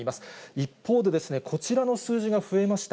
一方で、こちらの数字が増えました。